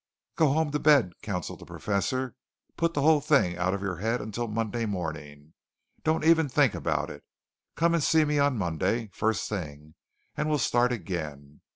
"Go home to bed," counselled the Professor. "Put the whole thing out of your head until Monday morning. Don't even think about it. Come and see me on Monday, first thing, and we'll start again.